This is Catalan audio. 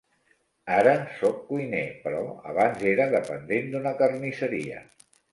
Ara sóc cuiner, però abans era dependent d'una carnisseria.